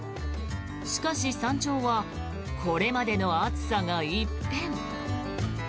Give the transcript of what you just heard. しかし、山頂はこれまでの暑さが一変。